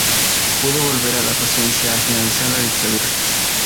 Pudo volver a la docencia al finalizar la dictadura.